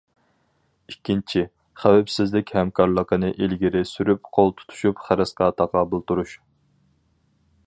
ئىككىنچى، خەۋپسىزلىك ھەمكارلىقىنى ئىلگىرى سۈرۈپ، قول تۇتۇشۇپ خىرىسقا تاقابىل تۇرۇش.